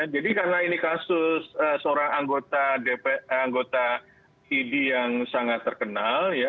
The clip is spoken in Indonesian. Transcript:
jadi karena ini kasus seorang anggota idi yang sangat terkenal